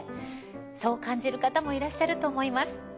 そう感じる方もいらっしゃると思います。